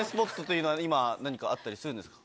今何かあったりするんですか？